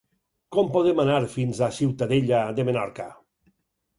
Com podem anar fins a Ciutadella de Menorca?